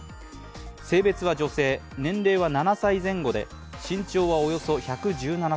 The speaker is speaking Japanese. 性別は女性、年齢は７歳前後で身長はおよそ１１７ｃｍ。